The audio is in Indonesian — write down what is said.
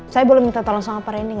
saya boleh minta tolong sama pak rendy gak